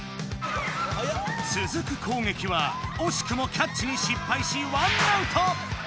つづく攻撃はおしくもキャッチに失敗し１アウト！